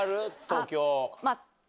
東京。